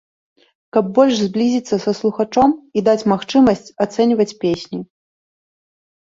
Каб больш зблізіцца са слухачом і даць магчымасць ацэньваць песні.